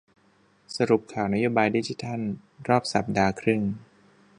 สรุปข่าวนโยบายดิจิทัลรอบสัปดาห์ครึ่ง